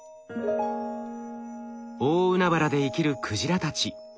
大海原で生きるクジラたち。